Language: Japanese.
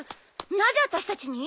なぜ私たちに？